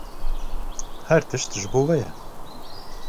Her tişt ji bo we ye.